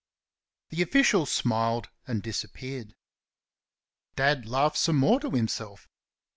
The official smiled and disappeared. Dad laughed some more to himself.